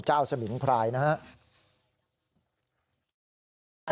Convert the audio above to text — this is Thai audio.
เจ้าสมินทรายนะฮะ